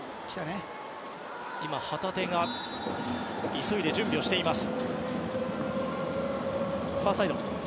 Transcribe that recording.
旗手が急いで準備をしています。